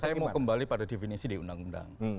saya mau kembali pada definisi di undang undang